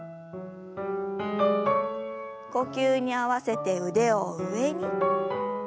呼吸に合わせて腕を上に。